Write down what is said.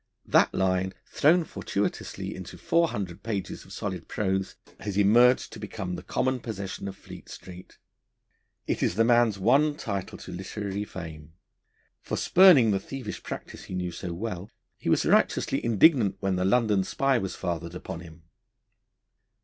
That line, thrown fortuitously into four hundred pages of solid prose, has emerged to become the common possession of Fleet Street. It is the man's one title to literary fame, for spurning the thievish practice he knew so well, he was righteously indignant when The London Spy was fathered upon him.